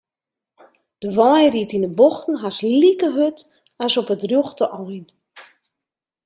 De wein ried yn 'e bochten hast like hurd as op it rjochte ein.